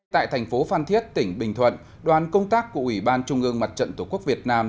tại thành phố phan thiết tỉnh bình thuận đoàn công tác của ủy ban trung ương mặt trận tổ quốc việt nam